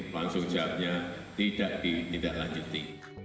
langsung jawabnya tidak ditindaklanjuti